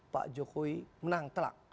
pak jokowi menang telak